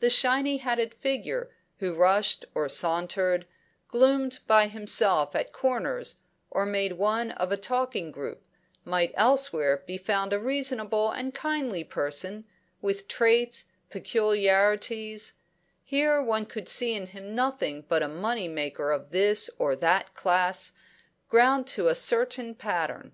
The shiny hatted figure who rushed or sauntered, gloomed by himself at corners or made one of a talking group, might elsewhere be found a reasonable and kindly person, with traits, peculiarities; here one could see in him nothing but a money maker of this or that class, ground to a certain pattern.